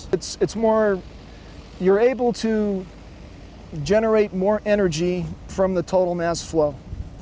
ini lebih anda dapat menghasilkan lebih banyak energi dari pengisian kemasan total